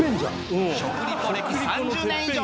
食リポ歴３０年以上！